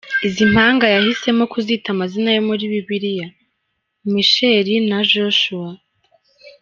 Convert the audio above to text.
Izi mpanga yahisemo kuzita amazina yo muri Bibiliya Michael na Joshua.